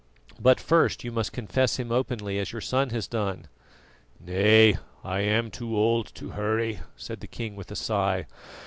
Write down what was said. But first you must confess Him openly, as your son has done." "Nay, I am too old to hurry," said the king with a sigh.